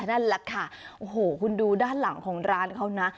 นั่นแหละค่ะโอ้โหคุณดูด้านหลังของร้านเขานะ